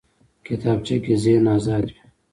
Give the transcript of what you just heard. کتابچه کې ذهن ازاد وي